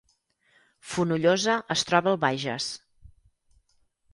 Fonollosa es troba al Bages